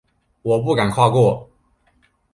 我不敢跨过